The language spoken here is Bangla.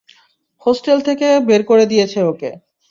হোস্টেল থেকে বের করে দিয়েছে ওকে।